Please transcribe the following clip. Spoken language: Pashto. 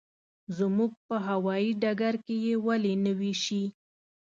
زموږ په هوايي ډګر کې یې ولې نه وېشي.